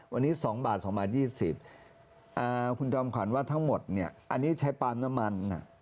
วันนี้๒บาท๒๒๐บาทคุณจอมขวัญว่าทั้งหมดอันนี้ใช้ปลามนมัน